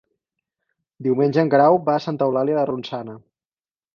Diumenge en Guerau va a Santa Eulàlia de Ronçana.